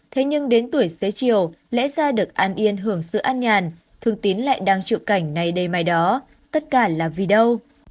thế nhưng đến tuổi xế chiều lẽ ra được an yên hưởng sự an nhàn thương tín lại đang chịu cảnh ngày mai đó tất cả là vì đâu